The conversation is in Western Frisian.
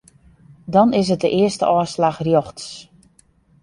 Dan is it de earste ôfslach rjochts.